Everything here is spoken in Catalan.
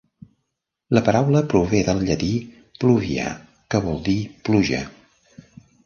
La paraula prové del llatí "pluvia", que vol dir "pluja".